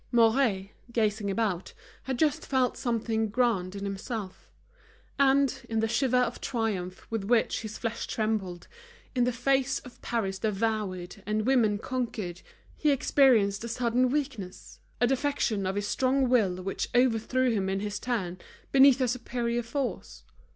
Mouret, gazing about, had just felt something grand in himself; and, in the shiver of triumph with which his flesh trembled, in the face of Paris devoured and woman conquered, he experienced a sudden weakness, a defection of his strong will which overthrew him in his turn, beneath a superior force.